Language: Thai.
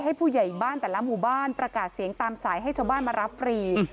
ผู้ใหญ่บ้านแต่ละหมู่บ้านประกาศเสียงตามสายให้ชาวบ้านมารับฟรี